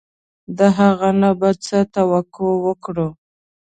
د هغه نه به څه توقع وکړو.